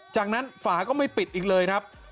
จากนั้นฝาก็ไม่ปิดอีกเลยครับ